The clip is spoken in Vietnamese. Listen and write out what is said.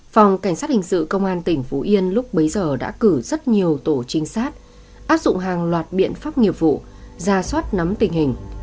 phòng cảnh sát hình sự công an tỉnh phú yên lúc bấy giờ đã cử rất nhiều tổ trinh sát áp dụng hàng loạt biện pháp nghiệp vụ ra soát nắm tình hình